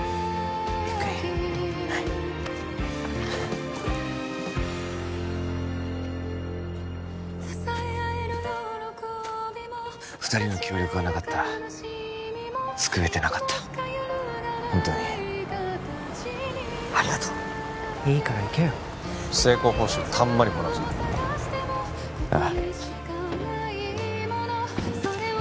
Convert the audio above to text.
ゆっくりはい二人の協力がなかったら救えてなかったホントにありがとういいから行けよ成功報酬たんまりもらうぞああ